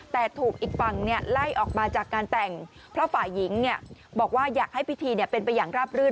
แต่ถูกอีกฝั่งไล่ออกมาจากการแต่งเพราะฝ่ายหญิงบอกว่าอยากให้พิธีเป็นไปอย่างราบรื่น